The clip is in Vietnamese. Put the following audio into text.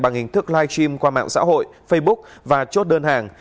bằng hình thức live stream qua mạng xã hội facebook và chốt đơn hàng